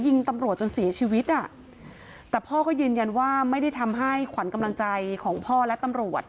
ยิงตำรวจจนเสียชีวิตอ่ะแต่พ่อก็ยืนยันว่าไม่ได้ทำให้ขวัญกำลังใจของพ่อและตำรวจ